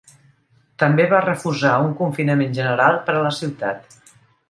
També va refusar un confinament general per a la ciutat.